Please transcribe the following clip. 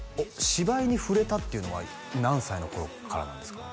芝居に触れたっていうのは何歳の頃からなんですか？